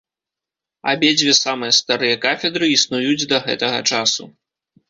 Абедзве самыя старыя кафедры існуюць да гэтага часу.